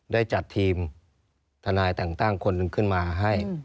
ได้จัดทีมทนายแต่งตั้งคนหนึ่งขึ้นมาให้